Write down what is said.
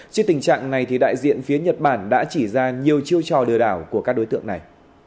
trên tình trạng này đại diện phía nhật bản đã chỉ ra nhiều chiêu trò lừa đảo của các đối tượng này